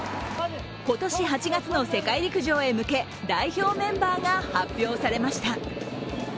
今年８月の世界陸上へ向け代表メンバーが発表されました。